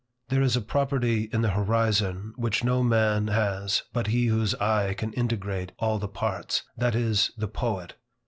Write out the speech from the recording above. There is a property in the horizon which no man has but he whose eye can integrate all the parts, that is, the poet.